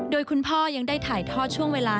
โดยคุณพ่อยังได้ถ่ายทอดช่วงเวลา